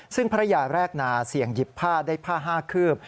ซึ่งภรรยาแรกนาเสี่ยงหยิบผ้าได้ผ้า๕คืบ